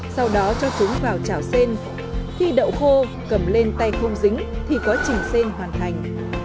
sau đó cho súng vào chảo xên khi đậu khô cầm lên tay không dính thì quá trình sen hoàn thành